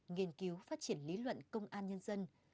nghiên cứu phát triển lý luận công an nhân dân